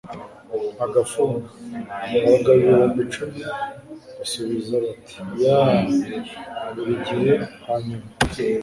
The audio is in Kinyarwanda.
agafuni. abagabo ibihumbi icumi basubiza bati yaa! buri gihe. hanyuma